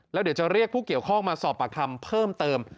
แล้วเดี๋ยวจะเรียกผู้เกี่ยวข้องมาสอบปากคำเพิ่มเติม